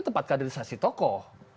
tempat kaderisasi tokoh